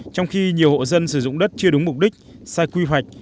trong khi nhiều hộ dân sử dụng đất chưa đúng mục đích sai quy hoạch